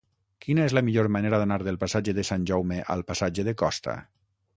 Quina és la millor manera d'anar del passatge de Sant Jaume al passatge de Costa?